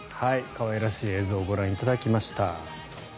可愛らしい映像をご覧いただきました。